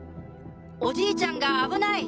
おじいちゃんが危ない！」。